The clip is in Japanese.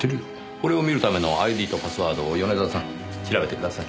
これを見るためのＩＤとパスワードを米沢さん調べてください。